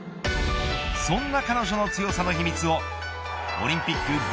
そんな彼女の強さの秘密をオリンピック